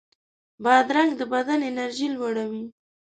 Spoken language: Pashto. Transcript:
بادرنګ د بدن انرژي لوړوي.